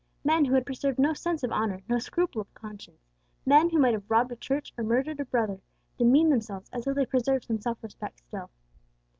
Men who had preserved no sense of honour, no scruple of conscience, men who might have robbed a church or murdered a brother, demeaned themselves as though they preserved some self respect still.